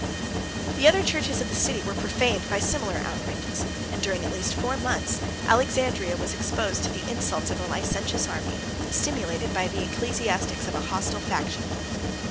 The other churches of the city were profaned by similar outrages; and, during at least four months, Alexandria was exposed to the insults of a licentious army, stimulated by the ecclesiastics of a hostile faction.